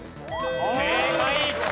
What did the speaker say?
正解！